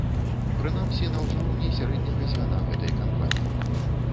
Прынамсі, на ўзроўні сярэдняга звяна гэтай кампаніі.